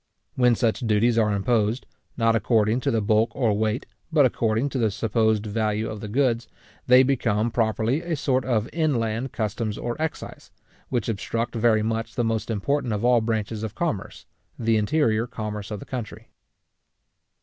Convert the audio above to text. When such duties are imposed, not according to the bulk or weight, but according to the supposed value of the goods, they become properly a sort of inland customs or excise, which obstruct very much the most important of all branches of commerce, the interior commerce of the country.